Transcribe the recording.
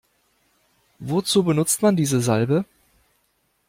Wozu benutzt man diese Salbe?